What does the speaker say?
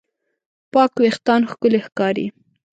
پاک وېښتيان ښکلي ښکاري.